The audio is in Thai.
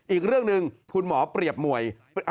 อีกเรื่องหนึ่งคุณหมอเปรียบมวย